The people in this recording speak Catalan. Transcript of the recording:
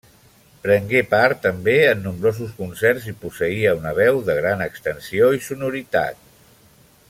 Prengué part també en nombrosos concerts i posseïa una veu de gran extensió i sonoritat.